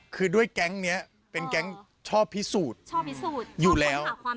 คือด้วยแก๊งนี้เป็นแก๊งชอบพิสูจน์ชอบพิสูจน์อยู่แล้ว